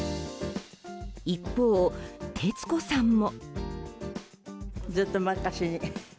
一方、徹子さんも。